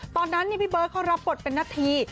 ตอนนั้นพี่เบิร์ตเขารับบทเป็นนาที